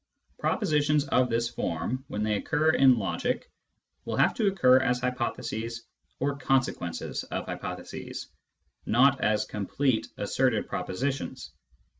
Propositions of this form, when they occur in logic, will have to occur as hypotheses or consequences of hypotheses, not as complete asserted pro positions.